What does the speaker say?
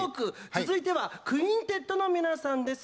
続いては「クインテット」の皆さんです。